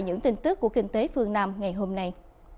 những tin tức của kinh tế phương nam ngày hôm nay